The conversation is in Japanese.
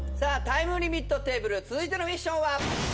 タイムリミットテーブル続いてのミッションは。